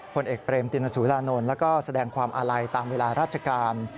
ผลเอกเปรมตินสุรานนท์แล้วก็แสดงความอาลัยตามเวลาราชการ